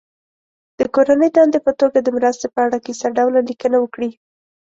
د کورنۍ دندې په توګه د مرستې په اړه کیسه ډوله لیکنه وکړي.